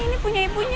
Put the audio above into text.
ini punya ibunya